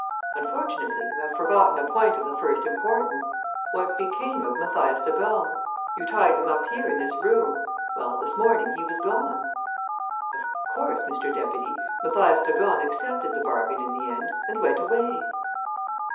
Unfortunately, you have forgotten a point of the first importance: what became of Mathias de Gorne? You tied him up here, in this room. Well, this morning he was gone." "Of course, Mr. Deputy, Mathias de Gorne accepted the bargain in the end and went away."